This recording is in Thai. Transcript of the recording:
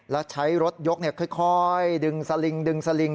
แล้วใช้รถยกค่อยดึงสลิง